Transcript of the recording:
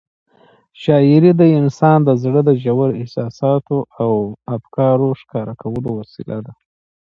شاعري د انسان د زړه د ژورو احساساتو او افکارو ښکاره کولو وسیله ده.